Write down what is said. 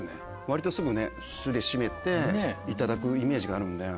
割とすぐね酢で締めていただくイメージがあるんで。